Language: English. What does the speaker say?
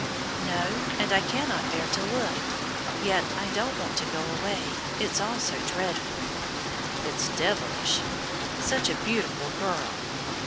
"No. And I cannot bear to look. Yet I don't want to go away. It's all so dreadful." "It's devilish. Such a beautiful girl!